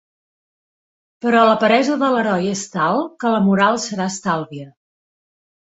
Però la peresa de l'heroi és tal que la moral serà estàlvia.